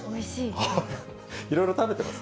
いろいろ食べてます？